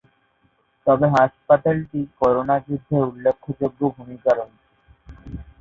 তবে হাসপাতালটি করোনা যুদ্ধে উল্লেখযোগ্য ভূমিকা রয়েছে।